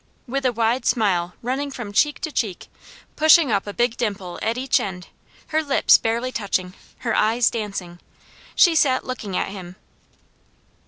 With a wide smile running from cheek to cheek, pushing up a big dimple at each end, her lips barely touching, her eyes dancing, she sat looking at him.